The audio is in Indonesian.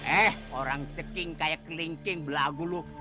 eh orang ceking kayak kelingking belagu lu